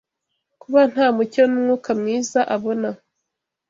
Kuba nta mucyo n’umwuka mwiza abona